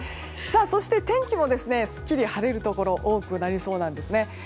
そして天気もすっきり晴れるところ多くなりそうなんですね。